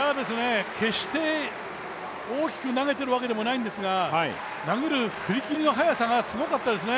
決して大きく投げているわけでもないんですが投げる振りきりの速さがすごかったですね。